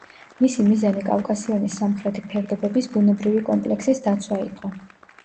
მისი მიზანი კავკასიონის სამხრეთი ფერდობების ბუნებრივი კომპლექსის დაცვა იყო.